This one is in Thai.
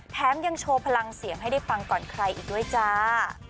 แถมยังโชว์พลังเสียงให้ได้ฟังก่อนใครอีกด้วยจ้า